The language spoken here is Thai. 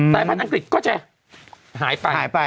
ในอังกฤษก็จะหายไป